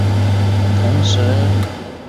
同时成为明治神宫的主祭司。